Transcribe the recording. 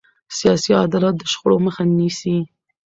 سیاسي عدالت د شخړو مخه نیسي